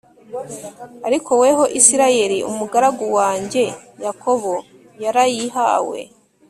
Ariko weho Isirayeli umugaragu wanjye Yakobo yarayihawe